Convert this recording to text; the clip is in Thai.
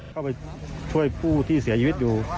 เข้าไปช่วยผู้ที่เสียชีวิตอยู่